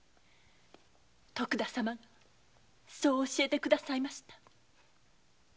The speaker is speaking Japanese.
徳田様がそう教えてくださいました。